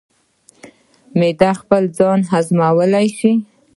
معده خپل ځان هضمولی شي.